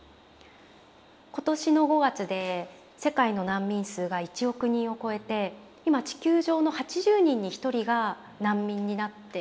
今年の５月で世界の難民数が１億人を超えて今地球上の８０人に１人が難民になってますよね。